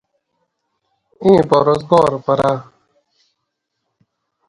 ائی پا روزگار پرہ ؟